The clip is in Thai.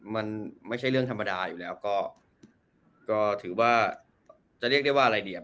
มันไม่ใช่เรื่องธรรมดาอยู่แล้วก็ก็ถือว่าจะเรียกได้ว่าอะไรดีอ่ะ